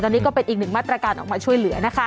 ตอนนี้ก็เป็นอีกหนึ่งมาตรการออกมาช่วยเหลือนะคะ